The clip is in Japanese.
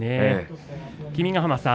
君ヶ濱さん